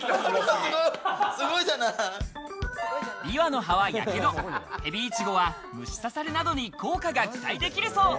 びわの葉は火傷、ヘビイチゴは虫刺されなどに効果が期待できるそう。